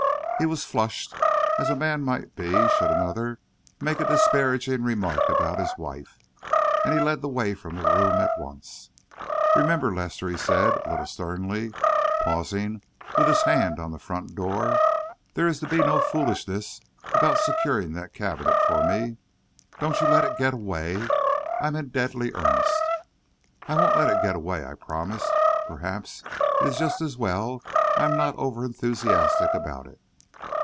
He was flushed, as a man might be should another make a disparaging remark about his wife, and he led the way from the room at once. "Remember, Lester," he said, a little sternly, pausing with his hand on the front door, "there is to be no foolishness about securing that cabinet for me. Don't you let it get away. I'm in deadly earnest." "I won't let it get away," I promised. "Perhaps it's just as well I'm not over enthusiastic about it."